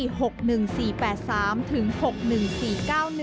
โฉนดเลขที่๖๑๓๖๑๔๙๑